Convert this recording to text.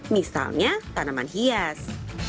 misalnya tanaman hias